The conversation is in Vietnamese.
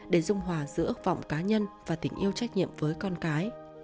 để dung hòa giữa ước vọng cá nhân và tình yêu trách nhiệm với con cái